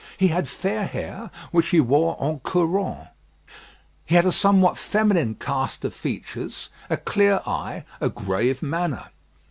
He had fair hair, which he wore en couronne. He had a somewhat feminine cast of features, a clear eye, a grave manner.